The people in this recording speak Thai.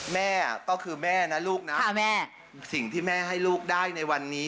แม่ก็คือแม่นะลูกนะสิ่งที่แม่ให้ลูกได้ในวันนี้